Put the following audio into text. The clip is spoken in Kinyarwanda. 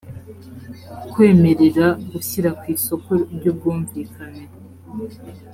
kwemerera gushyira ku isoko ry ubwumvikane